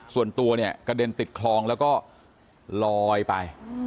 ส่วนตัวเนี่ยกระเด็นติดคลองแล้วก็ลอยไป